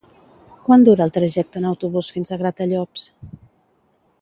Quant dura el trajecte en autobús fins a Gratallops?